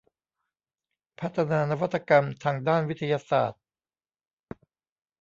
พัฒนานวัตกรรมทางด้านวิทยาศาสตร์